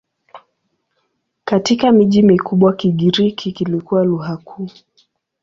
Katika miji mikubwa Kigiriki kilikuwa lugha kuu.